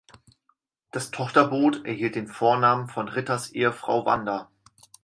Das Tochterboot erhielt den Vornamen von Ritters Ehefrau Wanda.